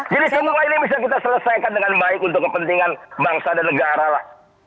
semoga ini bisa kita selesaikan dengan baik untuk kepentingan bangsa dan negara lah